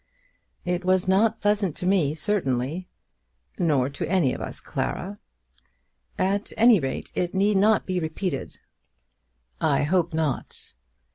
"It was not pleasant to me, certainly." "Nor to any of us, Clara." "At any rate, it need not be repeated." "I hope not."